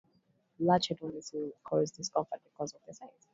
Large hydroceles will cause discomfort because of their size.